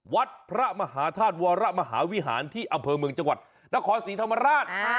วัดพระมหาธาตุวรมหาวิหารที่อำเภอเมืองจังหวัดนครศรีธรรมราช